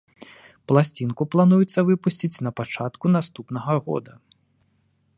Пласцінку плануецца выпусціць на пачатку наступнага года.